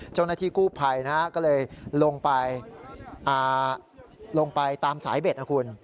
เจ้าหน้าที่คู่ภัยก็เลยลงไปตามสายเบ็ดนะครับคุณ